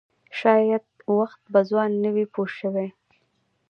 شاید هېڅ وخت به ځوان نه وي پوه شوې!.